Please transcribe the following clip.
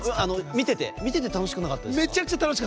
見てて楽しくなかったですか？